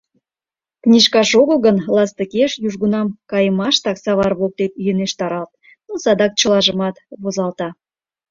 Книжкаш огыл гын, ластыкеш, южгунам кайымаштак, савар воктек йӧнештаралт, - но садак чылажымат возалта.